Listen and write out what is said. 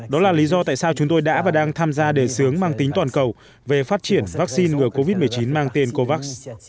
đó là lý do tại sao chúng tôi đã và đang tham gia đề sướng mang tính toàn cầu về phát triển vaccine ngừa covid một mươi chín mang tên covax